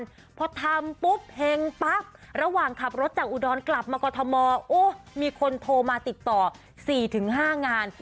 พอทำปุ๊บเห็งปั๊บระหว่างขับรถจากอุดรกลับมากรทมโอ้มีคนโทรมาติดต่อ๔๕งาน